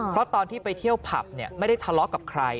เพราะตอนที่ไปเที่ยวผับไม่ได้ทะเลาะกับใคร